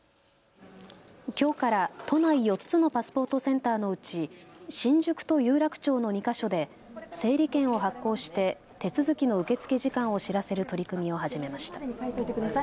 きょうから都内４つのパスポートセンターのうち新宿と有楽町の２か所で整理券を発行して手続きの受け付け時間を知らせる取り組みを始めました。